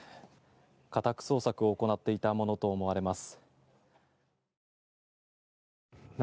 家宅捜索を行っていたものと思われます。